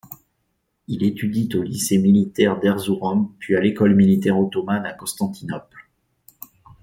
Il étudie au lycée militaire d'Erzurum puis à l'École militaire ottomane à Constantinople.